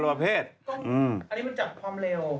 อันนี้มันจับความเร็ว